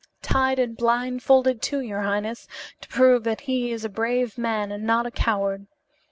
"Tied and blindfolded, too, your highness, to prove that he is a brave man and not a coward.